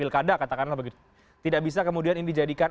karena tidak bisa kemudian ini dijadikan